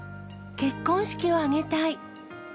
結婚式を挙げたい。